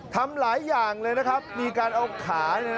ทำหลายอย่างเลยนะครับมีการโขลา